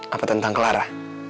apa tentang clara